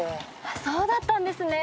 そうだったんですね。